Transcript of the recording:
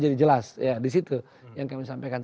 jadi jelas ya disitu yang kami sampaikan tadi